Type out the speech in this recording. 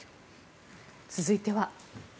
続いては。